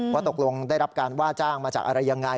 ว่าตกลงได้รับการว่าจ้างมาจากอะไรยังไง